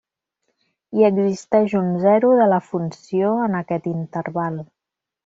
I existeix un zero de la funció en aquest interval.